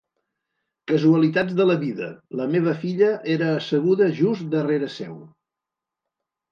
Casualitats de la vida, la meva filla era asseguda just darrere seu.